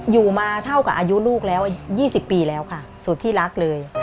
อยู่มาเท่ากับอายุลูกแล้ว๒๐ปีแล้วค่ะสุดที่รักเลย